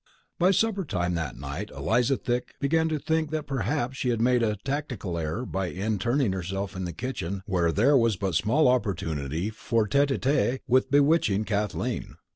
By supper time that night Eliza Thick began to think that perhaps she had made a tactical error by interning herself in the kitchen where there was but small opportunity for a tete a tete with the bewitching Kathleen.